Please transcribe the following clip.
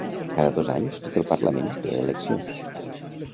Cada dos anys, tot el Parlament té eleccions.